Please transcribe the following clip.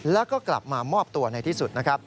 แล้วก็กลับมามอบตัวในที่สุด